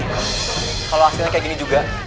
kalau hasilnya kayak gini juga